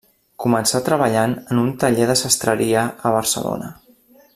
Començà treballant en un taller de sastreria a Barcelona.